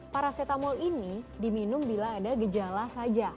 paracetamol ini diminum bila ada gejala saja